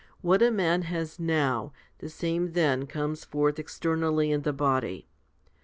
What a man has now, the same then comes forth externally in the body.